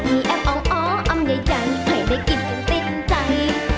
มีแอบอ้องอ้องอำใยจังให้ในกิจก็ติดใจ